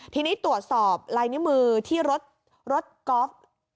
ทีนี้ตรวจสอบลายนิ้วมือที่รถกอล์ฟ